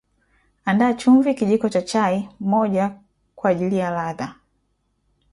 andaa Chumvi Kijiko cha chai moja kaajili ya ladha